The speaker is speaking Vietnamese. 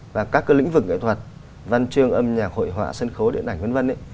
và các lĩnh vực nghệ thuật văn chương âm nhạc hội họa sân khấu điện ảnh v v